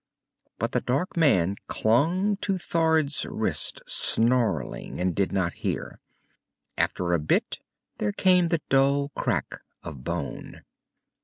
But the dark man clung to Thord's wrist, snarling, and did not hear. After a bit there came the dull crack of bone.